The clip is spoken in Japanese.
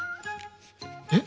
えっ？